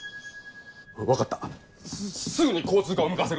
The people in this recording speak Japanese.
分かったすすぐに交通課を向かわせる。